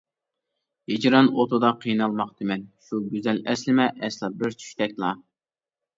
ھىجران ئوتىدا قىينالماقتىمەن، شۇ گۈزەل ئەسلىمە ئەسلا بىر چۈشتەكلا.